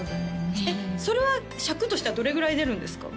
それは尺としてはどれぐらい出るんですか？